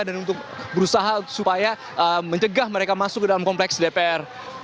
dan untuk berusaha supaya mencegah mereka masuk ke dalam kompleks dpr